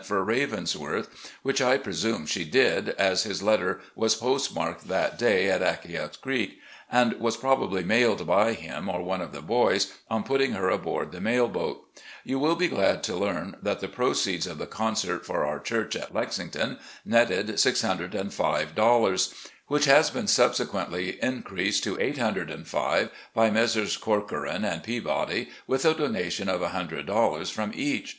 for 'Ravensworth,' which I presiune she did, as his letter was postmarked that day at Acquia Creek, and was probably mailed by him, or one of the boys, on putting her aboard the mail boat. You will be glad to learn that the proceeds of the concert for our church at Lexington netted $605, which has been subsequently increased to $805 by Messrs. Corcoran and Peabody with a donation of $100 from each.